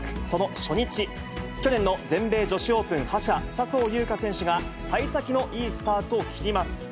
その初日、去年の全米女子オープン覇者、笹生優花選手が、さい先のいいスタートを切ります。